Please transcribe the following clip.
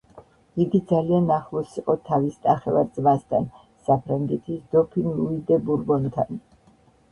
იგი ძალიან ახლოს იყო თავის ნახევარ-ძმასთან, საფრანგეთის დოფინ ლუი დე ბურბონთან.